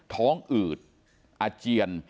ท้องอืดอ่ะเจียน